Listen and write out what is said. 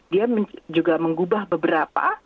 dia juga mengubah beberapa